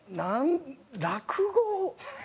落語？